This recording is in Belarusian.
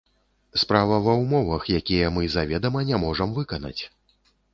Справа ва ўмовах, якія мы заведама не можам выканаць!